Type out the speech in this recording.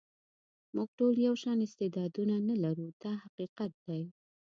موږ ټول یو شان استعدادونه نه لرو دا حقیقت دی.